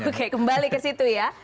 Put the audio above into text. oke kembali ke situ ya